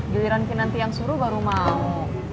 giliran ki nanti yang suruh baru mau